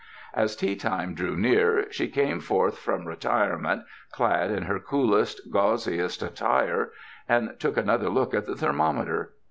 As tea time drew near she came forth from re tirement clad in her coolest, gauziest attire, and took another look at the thermometer.